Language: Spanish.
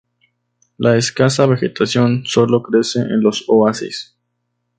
La escasa vegetación solo crece en los oasis.